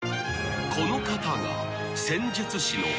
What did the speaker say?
［この方が］